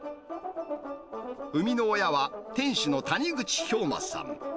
生みの親は、店主の谷口兵馬さん。